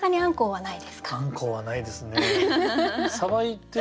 はい。